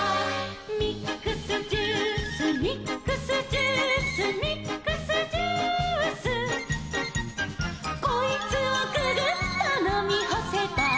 「ミックスジュースミックスジュース」「ミックスジュース」「こいつをググッとのみほせば」